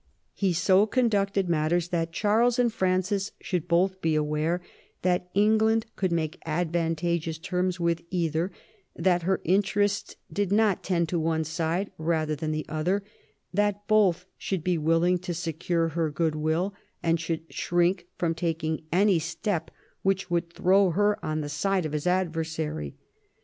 IV THE FIELD OF THE CLOTH OF GOLD 66 He so conducted matters that Charles and Francis should both be aware that England could make advan tageous terms with either, that her interests did not tend to one side rather than the other, that both should be willing to secure her goodwill, and should shrink from taking any step which would throw her on the side of his adversary.